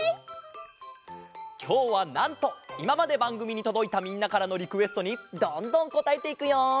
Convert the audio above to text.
きょうはなんといままでばんぐみにとどいたみんなからのリクエストにどんどんこたえていくよ！